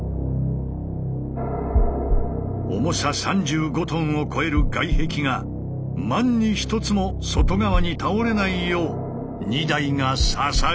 重さ３５ｔを超える外壁が万に一つも外側に倒れないよう２台が支える。